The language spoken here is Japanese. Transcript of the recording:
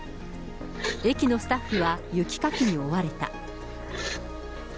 駅のスタッフは雪かきに追われた。